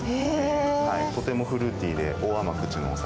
とてもフルーティーで大甘口のお酒。